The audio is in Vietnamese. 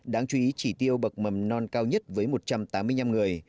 đáng chú ý chỉ tiêu bậc mầm non cao nhất với một trăm tám mươi năm người